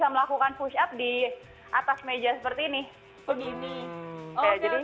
kalau kita mau bergerakan di tempat ini